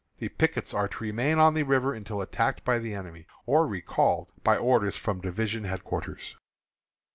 The pickets are to remain on the river until attacked by the enemy or recalled by orders from division headquarters.